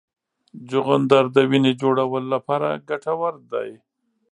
چغندر د وینې جوړولو لپاره ګټور دی.